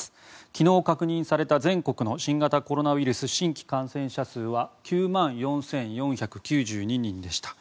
昨日確認された全国の新型コロナウイルス新規感染者数は９万４４９２人でした。